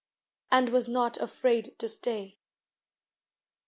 And was not afraid to stay.